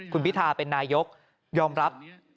คุณพิทาเป็นนายกยอมรับ